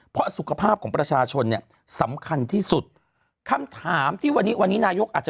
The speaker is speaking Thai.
เพราะสุขภาพของประชาชนเนี่ยสำคัญที่สุดคำถามที่วันนี้วันนี้นายกอาจจะ